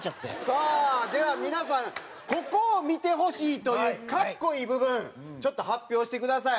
さあでは皆さんここを見てほしいという格好いい部分ちょっと発表してください。